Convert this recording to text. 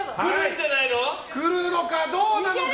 来るのかどうなのか。